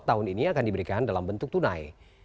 tahun ini akan diberikan dalam bentuk tunai